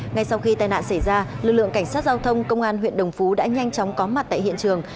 ngay sau khi tai nạn xảy ra lực lượng cảnh sát giao thông công an huyện đồng phú đã nhanh chóng có mặt tại hiện trường